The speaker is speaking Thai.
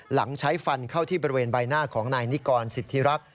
หลังใช้ฟันเข้าที่บริเวณใบหน้าของนายนิกรสิทธิรักษ